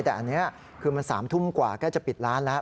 แต่อันนี้คือมัน๓ทุ่มกว่าใกล้จะปิดร้านแล้ว